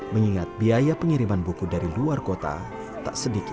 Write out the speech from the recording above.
mengingat biaya pengiriman buku dari luar kota tak sedikit